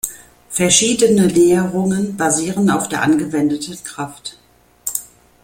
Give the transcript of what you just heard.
Verschiedene Näherungen basieren auf der angewendeten Kraft.